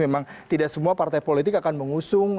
memang tidak semua partai politik akan mengusungi itu